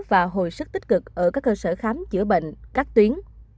và hồi sức tích cực ở các cơ sở khám chữa bệnh các tuyến